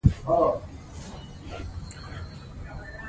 که له تاوتریخوالي لاس واخلو نو ژوند نه تریخیږي.